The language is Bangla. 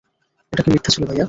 এটা কি মিথ্যা ছিল ভাইয়া?